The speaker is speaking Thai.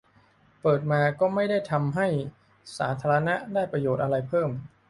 - เปิดมาก็ไม่ได้ทำให้สาธารณะได้ประโยชน์อะไรเพิ่ม